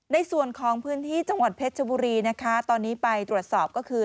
ในส่วนของพื้นที่จังหวัดเพชรชบุรีนะคะตอนนี้ไปตรวจสอบก็คือ